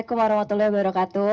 assalamualaikum wr wb